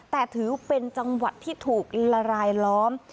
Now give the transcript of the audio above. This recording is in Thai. แต่ถือเป็นจังหวัดที่ถูกละลายล้อม